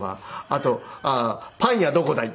あと「パン屋どこだい？」